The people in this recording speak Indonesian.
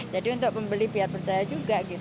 jadi untuk pembeli biar percaya juga